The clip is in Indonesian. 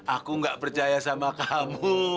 aku gak berjaya sama kamu